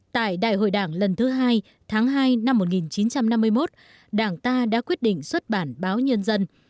tại đại hội đảng lần thứ hai tháng hai năm một nghìn chín trăm năm mươi một đảng ta đã quyết định xuất bản báo nhân dân